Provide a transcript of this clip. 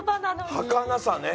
はかなさね。